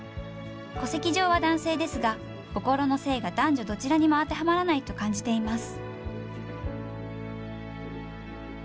戸籍上は男性ですが心の性が男女どちらにも当てはまらないと感じています。